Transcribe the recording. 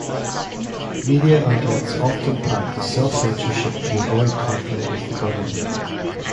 Media outlets often practice self-censorship to avoid conflict with the government.